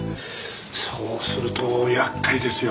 そうすると厄介ですよ。